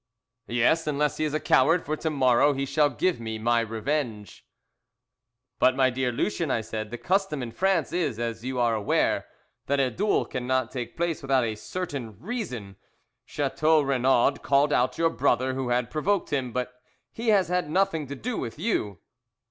"Yes, unless he is a coward. For to morrow he shall give me my revenge." "But, my dear Lucien," I said, "the custom in France is, as you are aware, that a duel cannot take place without a certain reason. Chateau Renaud called out your brother who had provoked him, but he has had nothing to do with you."